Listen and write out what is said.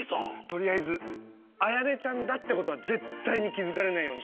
取りあえず綾音ちゃんだってことは絶対に気付かれないようにしないと。